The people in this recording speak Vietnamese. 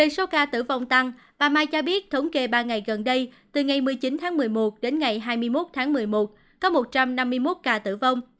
số ca tử vong tăng bà mai cho biết thống kê ba ngày gần đây từ ngày một mươi chín tháng một mươi một đến ngày hai mươi một tháng một mươi một có một trăm năm mươi một ca tử vong